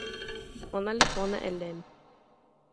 ona li pona e len.